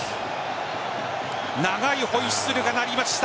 長いホイッスルが鳴りました。